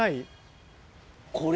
これ？